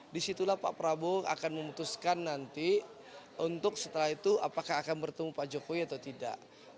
disitulah pak prabowo akan memutuskan nanti untuk setelah itu apakah akan bertemu pak jokowi atau tidak